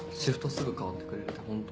すぐ代わってくれるってホント？